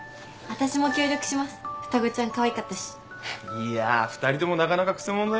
いや２人ともなかなかくせ者だよ。